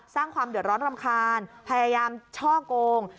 สร้างความเดือดร้อนรำคาญพยายามช่อกง